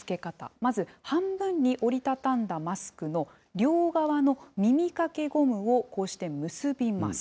まず半分に折り畳んだマスクの両側の耳かけゴムをこうして結びます。